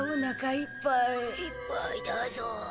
いっぱいだゾ。